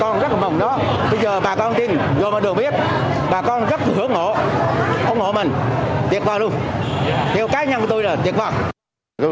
ba bốn ngày phá được án rồi bà con rất mong đó bà con tin bà con rất hưởng ổ ủng hộ mình tuyệt vọng luôn theo cá nhân của tôi là tuyệt vọng